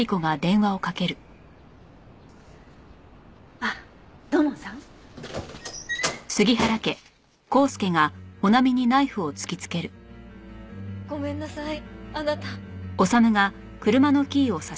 あっ土門さん？ごめんなさいあなた。